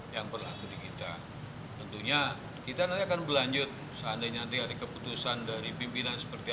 yang perlu kita tentunya kita akan berlanjut seandainya ada keputusan dari pimpinan seperti